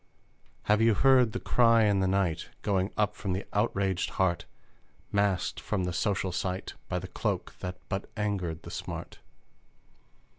Have you heard the cry in the night Going up from the outraged heart, Masked from the social sight By the cloak that but angered the smart?